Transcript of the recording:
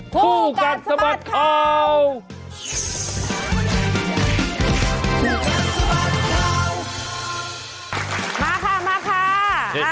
คู่การสมัครของคู่การสมัครของ